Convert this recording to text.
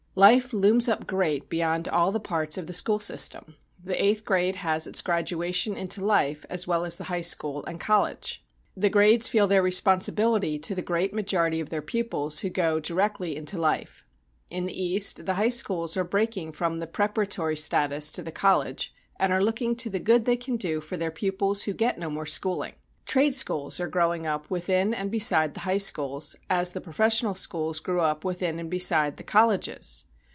Life looms up great beyond all the parts of the school system. The eighth grade has its graduation into life as well as the high school and college. The grades feel their responsibility to the great majority of their pupils who go directly into life. In the East the high schools are breaking from the "preparatory status" to the college, and are looking to the good they can do for their pupils who get no more schooling. Trade schools are growing up within and beside the high schools, as the professional schools grew up within and beside the colleges.